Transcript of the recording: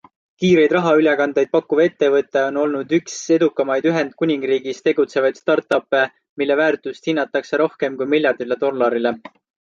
Kiireid rahaülekandeid pakkuv ettevõte on olnud üks edukamaid Ühendkuningriigis tegutsevaid start-uppe, mille väärtust hinnatakse rohkem kui miljardile dollarile.